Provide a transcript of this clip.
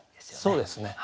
そうですね。